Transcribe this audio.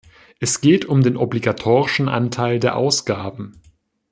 Es geht um den obligatorischen Anteil der Ausgaben.